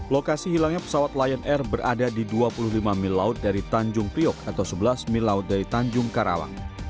lokasi hilangnya pesawat lion air berada di dua puluh lima mil laut dari tanjung priok atau sebelas mil laut dari tanjung karawang